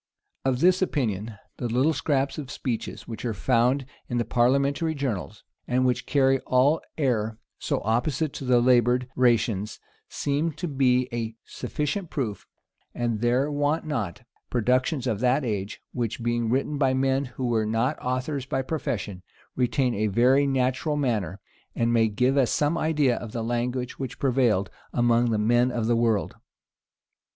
Of this opinion, the little scraps of speeches which are found in the parliamentary journals, and which carry all air so opposite to the labored: rations, seem to be a sufficient proof; and there want not productions of that age, which, being written by men who were not authors by profession, retain a very natural manner, and may give us some idea of the language which prevailed among men of the world.